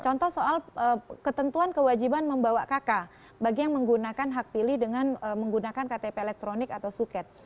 contoh soal ketentuan kewajiban membawa kk bagi yang menggunakan hak pilih dengan menggunakan ktp elektronik atau suket